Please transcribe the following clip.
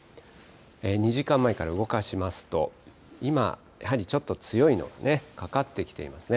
２時間前から動かしますと、今、やはりちょっと強いのかかってきていますね。